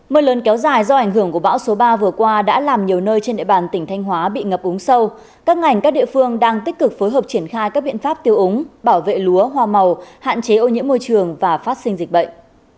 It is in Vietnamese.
mưa lớn kéo dài do ảnh hưởng của bão số ba vừa qua đã làm nhiều nơi trên địa bàn tỉnh thanh hóa bị ngập úng sâu các ngành các địa phương đang tích cực phối hợp triển khai các biện pháp tiêu ống bảo vệ lúa hoa màu hạn chế ô nhiễm môi trường và phát sinh dịch bệnh